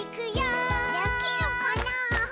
できるかなぁ？